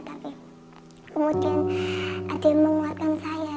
tapi kemudian ada yang menguatkan saya